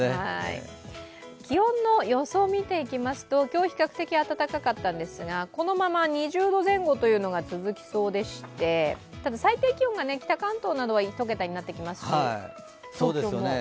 気温の予想を見ていきますと、今日比較的暖かかったんですが、このまま２０度前後というのが続きそうでしてただ最低気温は北関東などは１桁になってきますし、東京も。